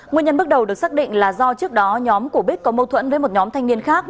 nguyên nhân bước đầu được xác định là do trước đó nhóm của bích có mâu thuẫn với một nhóm thanh niên khác